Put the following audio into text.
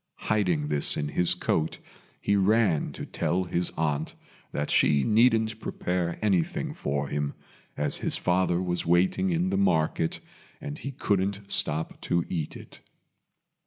Hiding this in his coat, he ran to tell his aunt that she needn't prepare anything for him, as his father was waiting in the market, and he couldn't stop to eat it.